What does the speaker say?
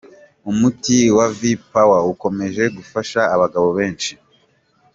Umuti wa Vigpower ukomeje gufasha abagabo benshi.